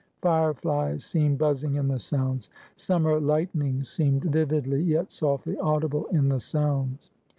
Fire flies seemed buzzing in the sounds; summer lightnings seemed vividly yet softly audible in the sounds.